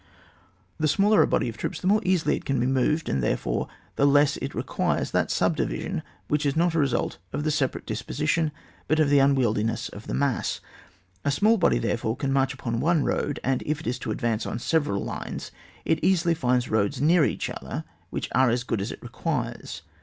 The smaller a body of troops the more easily it can be moved, and therefore the less it requires that subdivision which is not a result of the separate disposition, but of the unwieldiness of the mass. A small body, therefore, can march upon one road, and if it is to advance on several lines it easily finds roads near each other which are as good as it requires.